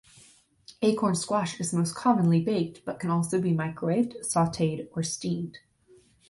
Acorn squash is most commonly baked, but can also be microwaved, sauteed or steamed.